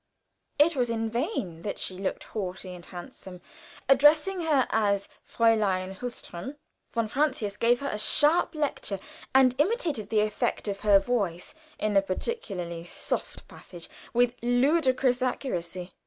It was in vain that she looked haughty and handsome. Addressing her as Fräulein Hulstrom, von Francius gave her a sharp lecture, and imitated the effect of her voice in a particularly soft passage with ludicrous accuracy.